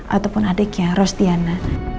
ataupun adiknya rostiana